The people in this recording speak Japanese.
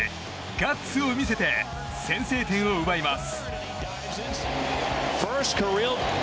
ガッツを見せて先制点を奪います。